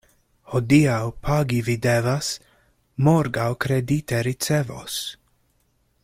Hodiaŭ pagi vi devas, morgaŭ kredite ricevos.